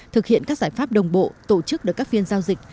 thực hiện các giải pháp đồng bộ tổ chức được các phiên giao dịch